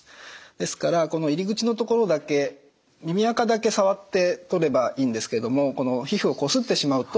ですからこの入り口のところだけ耳あかだけ触って取ればいいんですけれどもこの皮膚をこすってしまうと炎症を起こす。